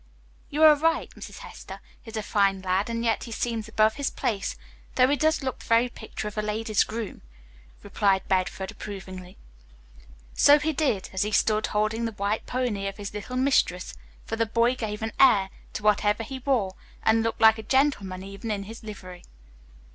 "You are right, Mrs. Hester, he's a fine lad, and yet he seems above his place, though he does look the very picture of a lady's groom," replied Bedford approvingly. So he did, as he stood holding the white pony of his little mistress, for the boy gave an air to whatever he wore and looked like a gentleman even in his livery.